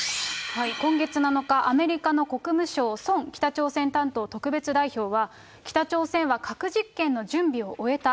今月７日、アメリカの国務省、ソン北朝鮮担当特別代表は、北朝鮮は核実験の準備を終えた。